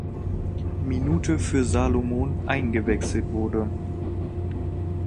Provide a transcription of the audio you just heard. Minute für "Solomon" eingewechselt wurde.